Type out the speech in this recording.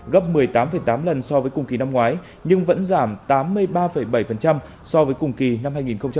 gấp một mươi tám tám lần so với cùng kỳ năm ngoái nhưng vẫn giảm tám mươi ba bảy so với cùng kỳ năm hai nghìn một mươi tám